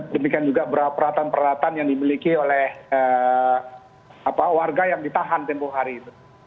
demikian juga peralatan peralatan yang dimiliki oleh warga yang ditahan tempoh hari itu